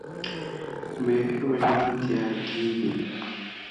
بېهيلو ژوند تیاره کېږي.